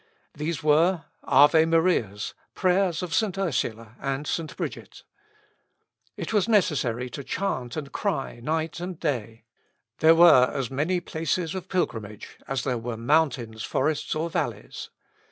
These were, Ave Marias, prayers of St. Ursula, and St. Bridget. It was necessary to chant and cry night and day. There were as many places of pilgrimage as there were mountains, forests, or valleys.